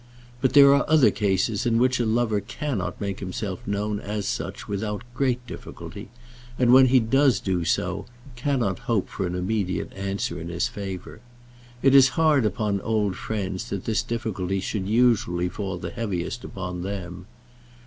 But there are other cases in which a lover cannot make himself known as such without great difficulty, and when he does do so, cannot hope for an immediate answer in his favour. It is hard upon old friends that this difficulty should usually fall the heaviest upon them.